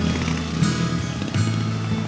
terima kasih ya bu